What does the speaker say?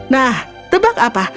nah tebak apa